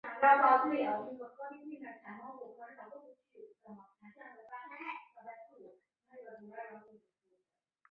简易行政工作